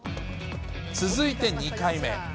続いて２回目。